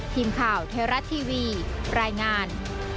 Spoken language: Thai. ทีมข่าวเทราะต์ทีวีรายงาน